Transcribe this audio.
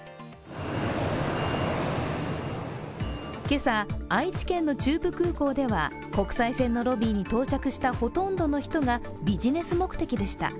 今朝、愛知県の中部空港では国際線のロビーに到着したほとんどの人がビジネス目的でした。